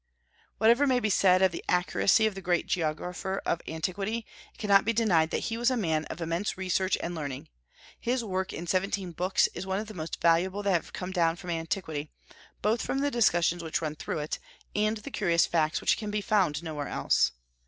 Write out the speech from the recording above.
Whatever may be said of the accuracy of the great geographer of antiquity, it cannot be denied that he was a man of immense research and learning. His work in seventeen books is one of the most valuable that have come down from antiquity, both from the discussions which run through it, and the curious facts which can be found nowhere else.